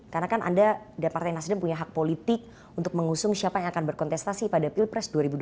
karena kan anda dan partai nasdem punya hak politik untuk mengusung siapa yang akan berkontestasi pada pilpres dua ribu dua puluh empat